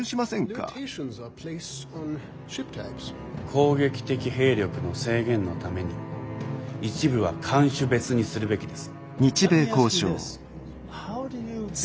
攻撃的兵力の制限のために一部は艦種別にするべきです。